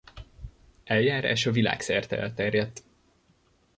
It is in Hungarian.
Eljárása világszerte elterjedt.